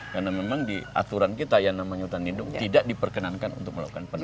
karena memang di aturan kita yang namanya hutan lindung tidak diperkenankan untuk melakukan peneliti